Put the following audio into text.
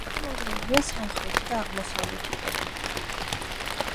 ჩამონგრეულია სამხრეთი და აღმოსავლეთი კედლები.